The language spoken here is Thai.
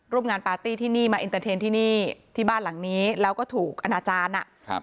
ร่วมงานปาร์ตี้ที่นี่มาเติมเทนท์ที่นี่ที่บ้านหลังนี้แล้วก็ถูกอาณาจารย์